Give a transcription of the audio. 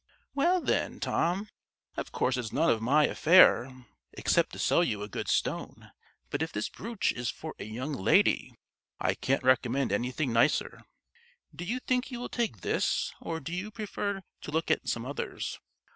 Well, then, Tom of course it's none of my affair, except to sell you a good stone, But if this brooch is for a young lady, I can't recommend anything nicer. Do you think you will take this; or do you prefer to look at some others?"